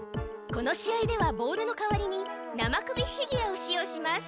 この試合ではボールの代わりに生首フィギュアを使用します。